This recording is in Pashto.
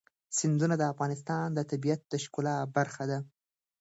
سیندونه د افغانستان د طبیعت د ښکلا برخه ده.